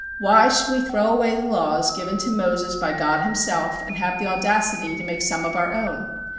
Why should we throw away the laws given to Moses by God himself, and have the audacity to make some of our own?